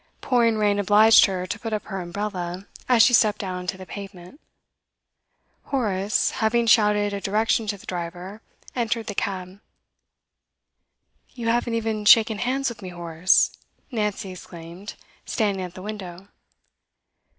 Pouring rain obliged her to put up her umbrella as she stepped down on to the pavement. Horace, having shouted a direction to the driver, entered the cab. 'You haven't even shaken hands with me, Horace,' Nancy exclaimed, standing at the window.